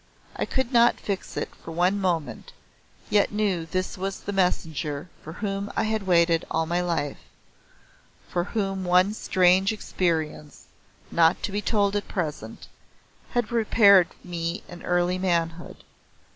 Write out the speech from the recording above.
I could not fix it for one moment, yet knew this was the messenger for whom I had waited all my life for whom one strange experience, not to be told at present, had prepared me in early manhood.